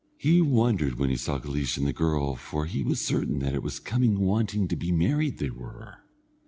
He wondered when he saw Guleesh and the girl, for he was certain that it was coming wanting to be married they were.